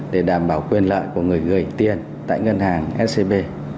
để đảm bảo quyền lợi của người gửi tiền tại ngân hàng scb